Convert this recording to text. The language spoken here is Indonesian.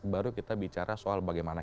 baru kita bicara soal bagaimana